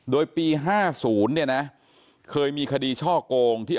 โดยปี๕๐เนี่ยนะ